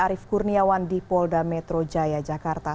arief kurniawan di polda metro jaya jakarta